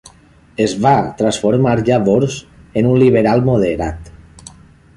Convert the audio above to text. Es va transformar llavors en un liberal moderat.